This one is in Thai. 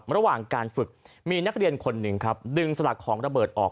ระหว่างการฝึกมีนักเรียนคนหนึ่งครับดึงสลักของระเบิดออก